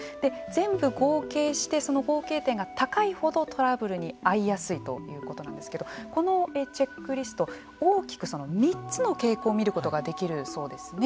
全部合計してその合計点が高いほどトラブルに遭いやすいということなんですけどこのチェックリスト大きく３つの傾向を見ることができるそうですね。